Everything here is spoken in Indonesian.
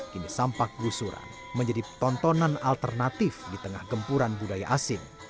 kini sampak gusuran menjadi tontonan alternatif di tengah gempuran budaya asing